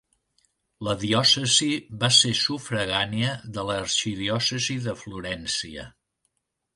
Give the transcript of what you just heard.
La diòcesi va ser sufragània de l'arxidiòcesi de Florència.